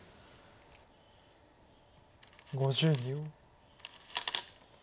５０秒。